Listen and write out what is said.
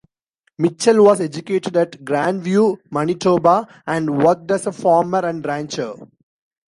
Mitchell was educated at Grandview, Manitoba and worked as a farmer and rancher.